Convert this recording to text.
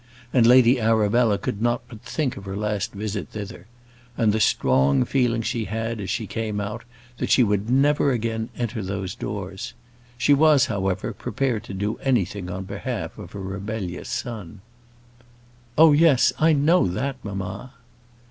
And Lady Arabella could not but think of her last visit thither, and the strong feeling she had, as she came out, that she would never again enter those doors. She was, however, prepared to do anything on behalf of her rebellious son. "Oh, yes! I know that, mamma."